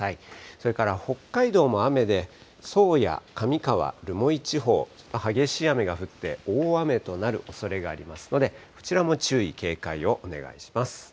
それから北海道も雨で、宗谷、上川、留萌地方、激しい雨が降って、大雨となるおそれがありますので、こちらも注意、警戒をお願いします。